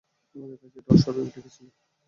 আমাদের কাছে এটা অস্বাভাবিক ঠেকেছিল।